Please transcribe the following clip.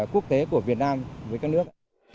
quốc tế của việt nam với các nước